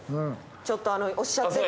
ちょっとおっしゃっていた。